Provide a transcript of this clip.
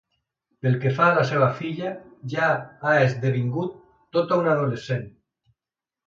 Pel que fa a la seva filla, ja ha esdevingut tota una adolescent.